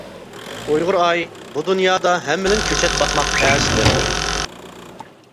ئۇيغۇر ئاي بۇ دۇنيادا ھەممىدىن كۆچەت باقماق تەس دەپتۇ.